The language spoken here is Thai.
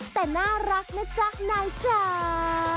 แต่น่ารักนะจ๊ะนายจ๋า